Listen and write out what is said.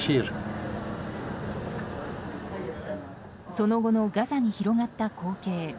その後のガザに広がった光景。